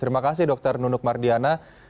terima kasih dokter nunuk mardiana